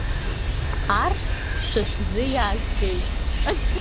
Арҭ шәа шәзы иаазгеит.